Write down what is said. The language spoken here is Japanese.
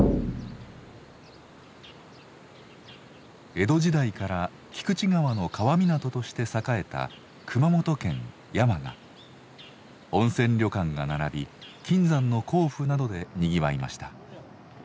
江戸時代から菊池川の川港として栄えた温泉旅館が並び金山の坑夫などで賑わいました。